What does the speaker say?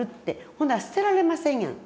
ほんだら捨てられませんやん。